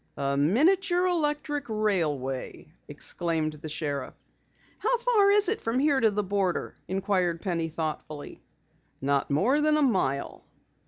"A miniature electric railway!" exclaimed the sheriff. "How far is it from here to the border?" inquired Penny thoughtfully. "Not more than a mile."